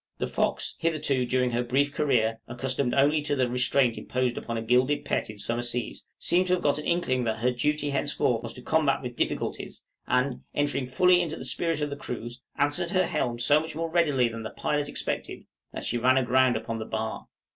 The 'Fox,' hitherto during her brief career, accustomed only to the restraint imposed upon a gilded pet in summer seas, seemed to have got an inkling that her duty henceforth was to combat with difficulties, and, entering fully into the spirit of the cruise, answered her helm so much more readily than the pilot expected that she ran aground upon the bar.